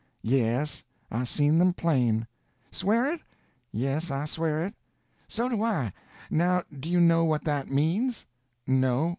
"Yes. I seen them plain." "Swear it?" "Yes, I swear it." "So do I. Now do you know what that means?" "No.